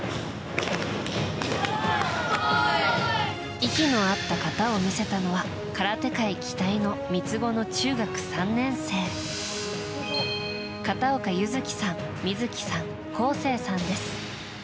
息の合った型を見せたのは空手界期待の三つ子の中学３年生片岡優月さん、美月さん恒惺さんです。